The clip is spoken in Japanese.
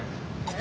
え？